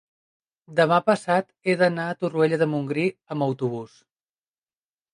demà passat he d'anar a Torroella de Montgrí amb autobús.